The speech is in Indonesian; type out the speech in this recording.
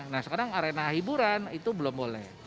nah sekarang arena hiburan itu belum boleh